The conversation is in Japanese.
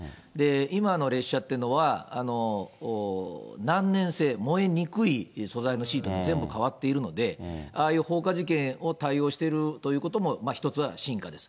今の列車っていうのは、難燃性、燃えにくい素材のシートに全部変わっているので、ああいう放火事件に対応しているということも一つは進化です。